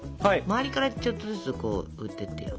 周りからちょっとずつ振ってってよ。